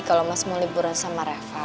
kalau mas mau liburan sama reva